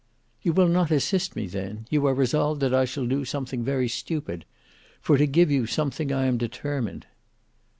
"You will not assist me, then? You are resolved that I shall do something very stupid. For to give you something I am determined."